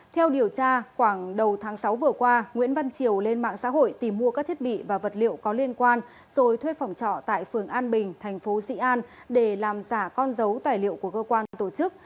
theo điều tra khoảng đầu tháng sáu vừa qua nguyễn văn triều lên mạng xã hội tìm mua các thiết bị và vật liệu có liên quan rồi thuê phòng trọ tại phường an bình thành phố sĩ an để làm giả con dấu tài liệu của cơ quan tổ chức